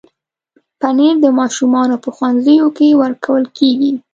پنېر د ماشومانو په ښوونځیو کې ورکول کېږي.